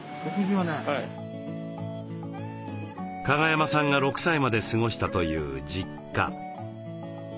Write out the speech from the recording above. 加賀山さんが６歳まで過ごしたという実家。